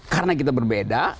karena kita berbeda